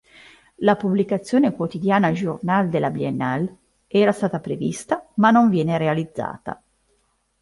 La pubblicazione quotidiana "Journal de la Biennale" era stata prevista, ma non viene realizzata.